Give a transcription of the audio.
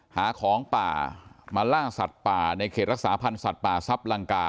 หาของป่ามาล่าสัตว์ป่าในเขตรักษาพันธ์สัตว์ป่าซับลังกา